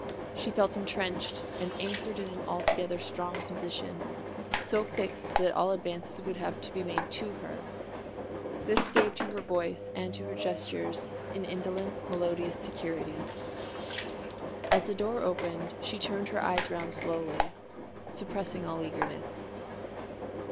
She felt entrenched and anchored in an altogether strong position, so fixed that all advances would have to be made to her. This gave to her voice and to her gestures an indolent melodious security. As the door opened she turned her eyes round slowly, suppressing all eagerness.